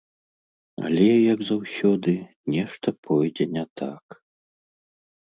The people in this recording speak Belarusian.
Але, як заўсёды, нешта пойдзе не так.